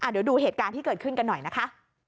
เดี๋ยวดูเหตุการณ์ที่เกิดขึ้นกันหน่อยนะคะ